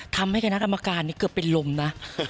ทำให้คณะกรรมการนี้เกือบเป็นลมนะ